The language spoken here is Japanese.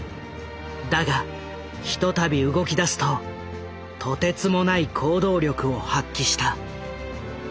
だが一たび動きだすととてつもない行動力を発揮した。